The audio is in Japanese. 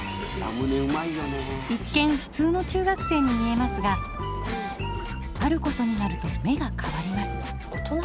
一見ふつうの中学生に見えますがあることになると目が変わります。